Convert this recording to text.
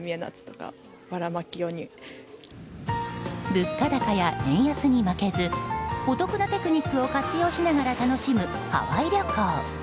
物価高や円安に負けずお得なテクニックを活用しながら楽しむハワイ旅行。